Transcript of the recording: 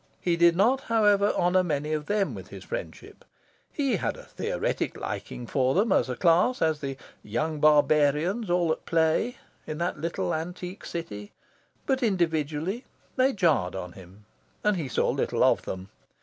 He did not, however, honour many of them with his friendship. He had a theoretic liking for them as a class, as the "young barbarians all at play" in that little antique city; but individually they jarred on him, and he saw little of them.